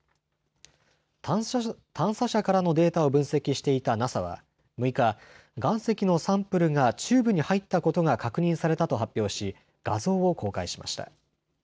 探査車からのデータを分析していたＮＡＳＡは６日、岩石のサンプルがチューブに入ったことが確認されたと発表し画像を公開しました。